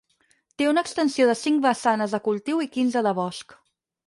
Té una extensió de cinc vessanes de cultiu i quinze de bosc.